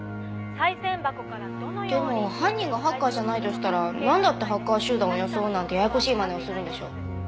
賽銭箱からどのように」でも犯人がハッカーじゃないとしたらなんだってハッカー集団を装うなんてややこしいまねをするんでしょう。